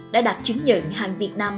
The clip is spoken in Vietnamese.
đã đạt chứng nhận hàng việt nam